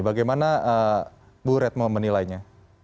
bagaimana ibu reto menilainya